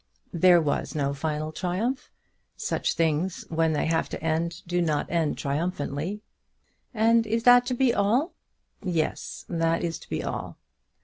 "There was no final triumph. Such things, when they have to end, do not end triumphantly." "And is that to be all?" "Yes; that is to be all."